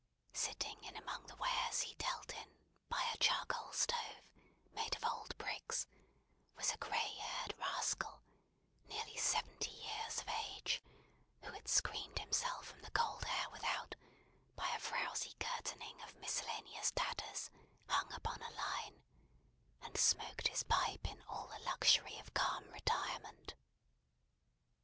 Sitting in among the wares he dealt in, by a charcoal stove, made of old bricks, was a grey haired rascal, nearly seventy years of age; who had screened himself from the cold air without, by a frousy curtaining of miscellaneous tatters, hung upon a line; and smoked his pipe in all the luxury of calm retirement.